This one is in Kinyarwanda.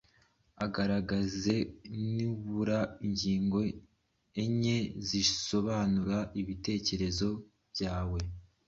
ugaragaze nibura ingingo enye zisobanura ibitekerezo byawe: